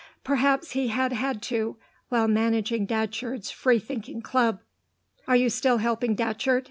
Perhaps he had had to, while managing Datcherd's free thinking club. "Are you still helping Datcherd?"